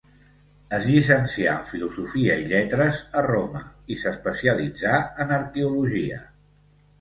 Es llicencià en filosofia i lletres a Roma, i s'especialitzà en arqueologia.